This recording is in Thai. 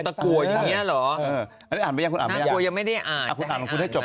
ตะโกอย่างนี้เหรออ่ะอ่านไปยังคุณอ่านไม่ได้อ่านให้จบ